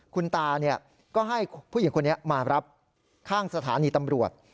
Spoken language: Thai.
คุณตาก็ให้ผู้หญิงคนนี้มารับข้างสถานีตำรวจ